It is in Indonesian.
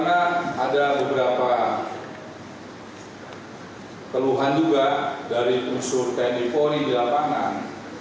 karena ada beberapa keluhan juga dari usur telepon di lapangan